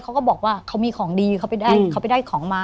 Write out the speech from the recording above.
เขาก็บอกว่าเขามีของดีเขาไปได้ของมา